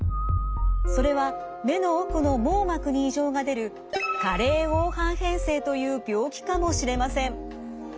それは目の奥の網膜に異常が出る加齢黄斑変性という病気かもしれません。